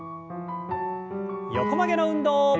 横曲げの運動。